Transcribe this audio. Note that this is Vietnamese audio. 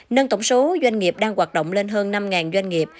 nâng tổng số doanh nghiệp đang hoạt động lên hơn năm doanh nghiệp